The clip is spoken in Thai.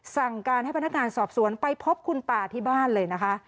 สั่งการให้พนักงานสอบสวนไปพบคุณป่าที่บ้านเลยนะคะ